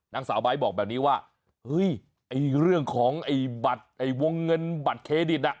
นางสาวไบท์บอกแบบนี้ว่าเฮ้ยไอ้เรื่องของไอ้บัตรไอ้วงเงินบัตรเครดิตอ่ะ